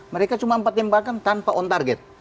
mereka cuma empat tembakan tanpa on target